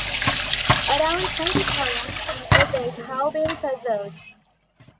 Around twenty poems and essays have been preserved.